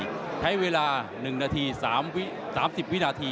ใช้เวลา๑นาที๓๐วินาที